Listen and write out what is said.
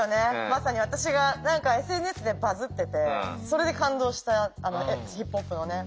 まさに私がＳＮＳでバズっててそれで感動したＧーＰＯＰのね。